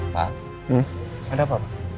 pak ada apa